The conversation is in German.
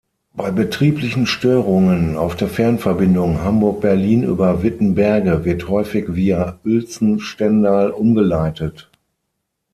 Bei betrieblichen Störungen auf der Fernverbindung Hamburg–Berlin über Wittenberge wird häufig via Uelzen–Stendal umgeleitet.